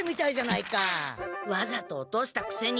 わざと落としたくせに。